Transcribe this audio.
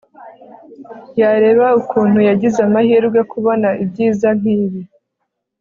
yareba ukuntu yagize amahirwe kubona ibyiza nkibi